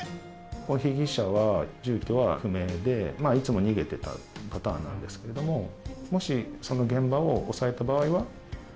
被疑者は住居は不明でいつも逃げてたパターンなんですけれどももしその現場を押さえた場合は？